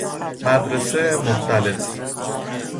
مدرسهُ مختلط